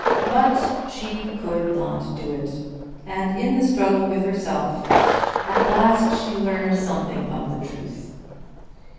But she could not do it, and in the struggle with herself at last she learned something of the truth.